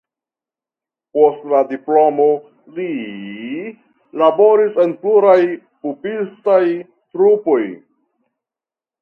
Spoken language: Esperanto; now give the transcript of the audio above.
Post la diplomo li laboris en pluraj pupistaj trupoj.